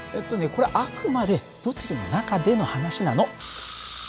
これはあくまで物理の中での話なの。